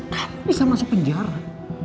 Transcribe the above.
kan bisa masuk penjara